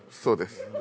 そうです。